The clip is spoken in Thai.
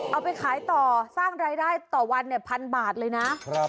เอาไปขายต่อสร้างรายได้ต่อวันเนี่ยพันบาทเลยนะ